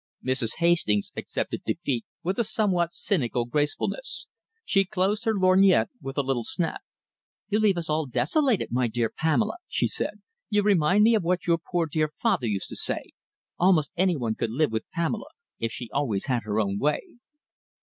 Mrs. Hastings accepted defeat with a somewhat cynical gracefulness. She closed her lorgnette with a little snap. "You leave us all desolated, my dear Pamela," she said. "You remind me of what your poor dear father used to say 'Almost any one could live with Pamela if she always had her own way.'"